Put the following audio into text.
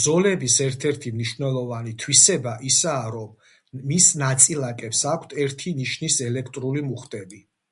ზოლების ერთ-ერთი მნიშვნელოვანი თვისება ისაა, რომ მის ნაწილაკებს აქვთ ერთი ნიშნის ელექტრული მუხტები.